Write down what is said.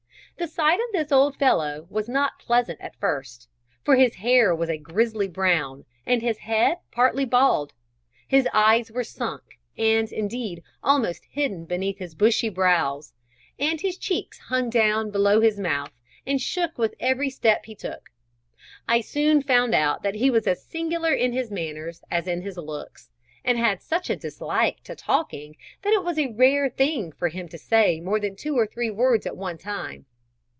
The sight of this old fellow was not pleasant at first, for his hair was a grizzly brown and his head partly bald; his eyes were sunk, and, indeed, almost hidden beneath his bushy brows, and his cheeks hung down below his mouth and shook with every step he took. I soon found out that he was as singular in his manners as in his looks, and had such a dislike to talking that it was a rare thing for him to say more than two or three words at one time.